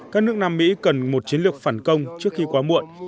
các nước nam mỹ cần một chiến lược phản công trước khi quá muộn